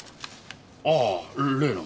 ああ例の。